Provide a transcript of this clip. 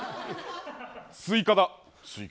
スイカだ。